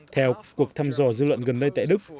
theo cuộc thăm dò dư luận gần đây tại đức